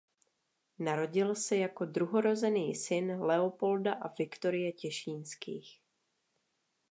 Narodil se jako druhorozený syn Leopolda a Viktorie Těšínských.